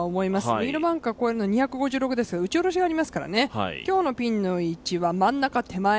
右のバンカー越えるのは２１６ですが打ち下ろしがありますからね、今日のピンの位置は真ん中手前。